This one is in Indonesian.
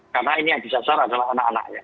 karena ini yang disasar adalah anak anak ya